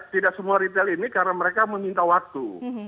tidak semua retail ini karena mereka meminta waktu